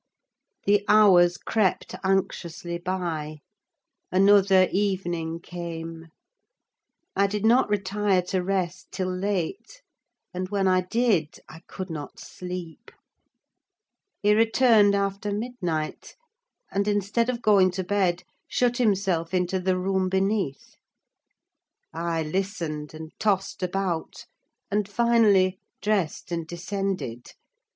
The hours crept anxiously by: another evening came. I did not retire to rest till late, and when I did, I could not sleep. He returned after midnight, and, instead of going to bed, shut himself into the room beneath. I listened, and tossed about, and, finally, dressed and descended.